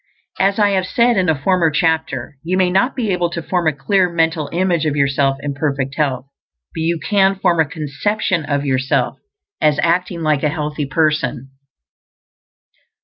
As I have said in a former chapter, you may not be able to form a clear mental image of yourself in perfect health, but you can form a conception of yourself as acting like a healthy person.